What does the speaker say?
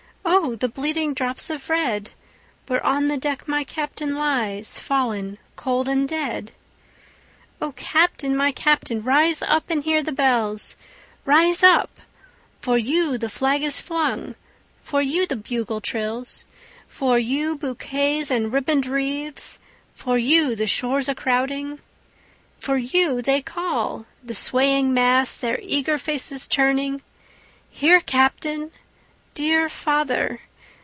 O the bleeding drops of red, Where on the deck my Captain lies, Fallen cold and dead. O Captain! my Captain! rise up and hear the bells; Rise up for you the flag is flung for you the bugle trills, For you bouquets and ribbon'd wreaths for you the shores a crowding, For you they call, the swaying mass, their eager faces turning; Here Captain! dear father!